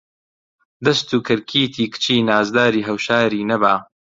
دەست و کەرکیتی کچی نازداری هەوشاری نەبا